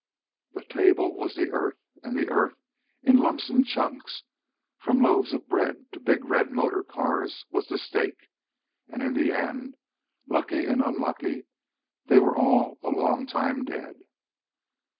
The table was the earth, and the earth, in lumps and chunks, from loaves of bread to big red motor cars, was the stake. And in the end, lucky and unlucky, they were all a long time dead.